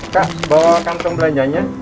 kak bawa kantong belanjanya